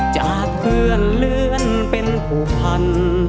จากเพื่อนเลื่อนเป็นผู้พัน